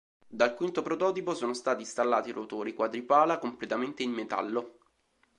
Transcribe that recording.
Dal quinto prototipo sono stati installati rotori quadripala completamente in metallo.